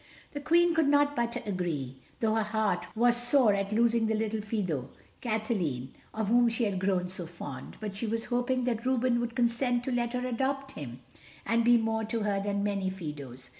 The Queen could not but agree—though her heart was sore at losing the little Fido Kathleen, of whom she had grown so fond. But she was hoping that Reuben would consent to let her adopt him, and be more to her than many Fidos.